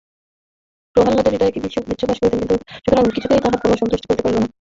প্রহ্লাদের হৃদয়ে বিষ্ণু বাস করিতেন, সুতরাং কিছুই তাঁহার কোন অনিষ্ট করিতে পারিল না।